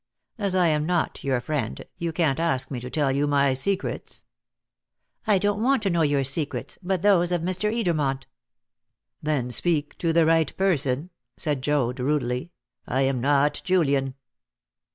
As I am not your friend, you can't ask me to tell you my secrets." "I don't want to know your secrets, but those of Mr. Edermont." "Then, speak to the right person," said Joad rudely. "I am not Julian."